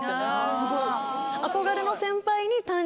すごい。